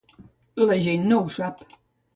La gent no ho sap.